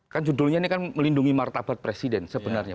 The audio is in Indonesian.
kan judulnya ini kan melindungi martabat presiden sebenarnya